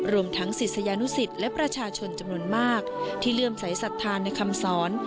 รวมทั้งศิษยานุสิตและประชาชนจำนวนมากที่เลื่อมสายศรัทธาในคำสอน